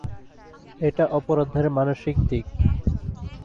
এটা অপরাধের মানসিক দিক।